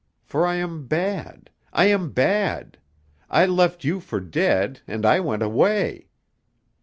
For I am bad. I am bad. I left you for dead and I went away."